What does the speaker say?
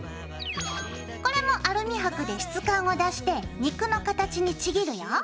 これもアルミはくで質感を出して肉の形にちぎるよ。